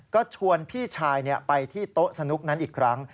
ก็ชวนพี่ชายไปที่โต๊ะสนุกนั้นอีกครั้ง